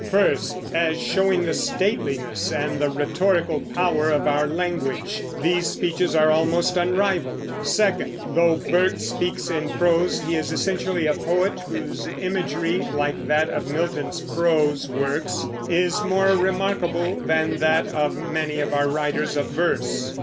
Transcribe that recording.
First, as showing the stateliness and the rhetorical power of our language, these speeches are almost unrivaled. Second, though Burke speaks in prose, he is essentially a poet, whose imagery, like that of Milton's prose works, is more remarkable than that of many of our writers of verse.